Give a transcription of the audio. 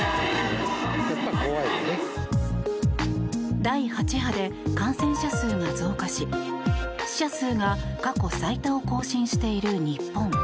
第８波で感染者数が増加し死者数が過去最多を更新している日本。